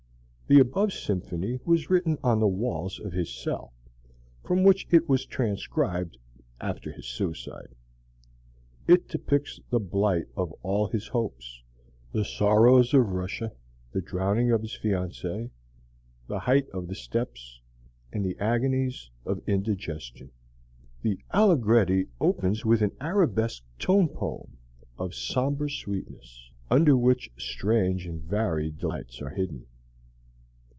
The above symphony was written on the walls of his cell, from which it was transcribed after his suicide. It depicts the blight of all his hopes, the sorrows of Russia, the drowning of his fiancée, the height of the steppes, and the agonies of indigestion. The Allegretti opens with an arabesque tone poem of somber sweetness, under which strange and varied delights are hidden.